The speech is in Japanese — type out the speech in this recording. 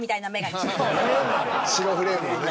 白フレームのね。